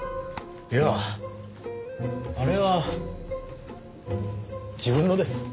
いやあれは自分のです。